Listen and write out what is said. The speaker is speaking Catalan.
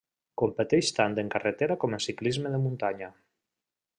Competeix tant en carretera com en ciclisme de muntanya.